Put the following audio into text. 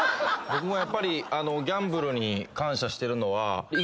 僕もギャンブルに感謝してるのは。